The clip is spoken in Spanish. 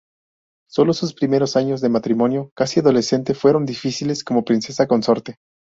Sólo sus primeros años de matrimonio, casi adolescente, fueron difíciles como princesa consorte.